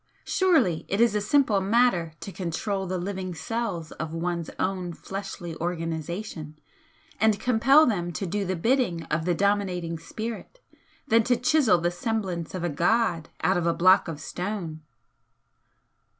Surely it is a simpler matter to control the living cells of one's own fleshly organisation and compel them to do the bidding of the dominating spirit than to chisel the semblance of a god out of a block of stone!"